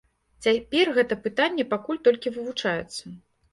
Цяпер гэта пытанне пакуль толькі вывучаецца.